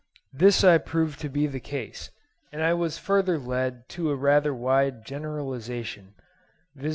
This I proved to be the case; and I was further led to a rather wide generalisation, viz.